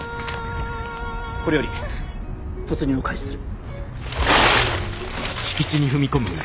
これより突入を開始する。